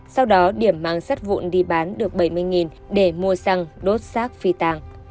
sau đó điểm mang sắt vụn đi bán được bảy mươi để mua xăng đốt xác phi tàng